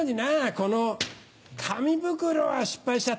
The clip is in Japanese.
この紙袋は失敗しちゃったな。